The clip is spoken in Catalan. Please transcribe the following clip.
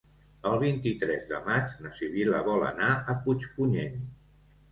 El vint-i-tres de maig na Sibil·la vol anar a Puigpunyent.